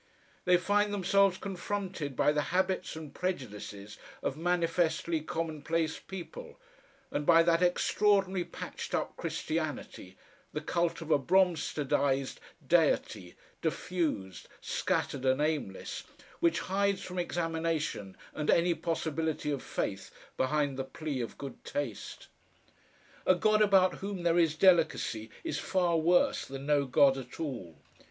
They find themselves confronted by the habits and prejudices of manifestly commonplace people, and by that extraordinary patched up Christianity, the cult of a "Bromsteadised" deity, diffused, scattered, and aimless, which hides from examination and any possibility of faith behind the plea of good taste. A god about whom there is delicacy is far worse than no god at all.